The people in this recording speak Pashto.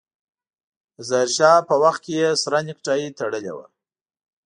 د ظاهر شاه په وخت کې يې سره نيکټايي تړلې وه.